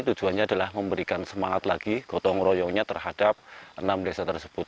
tujuannya adalah memberikan semangat lagi gotong royongnya terhadap enam desa tersebut